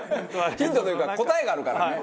ヒントというか答えがあるからね。